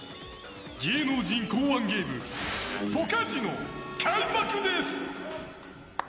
芸能人考案ゲームポカジノ開幕です！